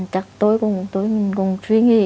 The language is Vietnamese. chắc tôi cũng suy nghĩ